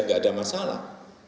enggak ada masalah